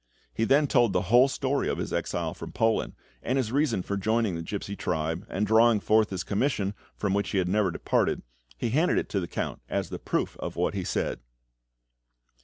He then told the whole story of his exile from Poland, and his reason for joining the gipsy tribe, and drawing forth his commission, from which he had never departed, he handed it to the Count as the proof of what he said.